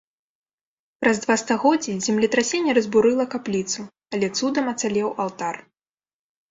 Праз два стагоддзі землетрасенне разбурыла капліцу, але цудам ацалеў алтар.